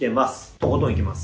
とことんいきます。